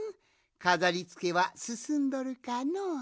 かざりつけはすすんどるかのう？